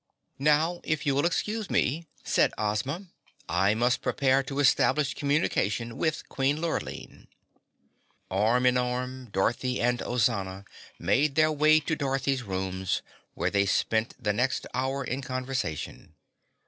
"Now if you will excuse me," said Ozma, "I must prepare to establish communication with Queen Lurline." Arm in arm, Dorothy and Ozana made their way to Dorothy's rooms, where they spent the next hour in conversation.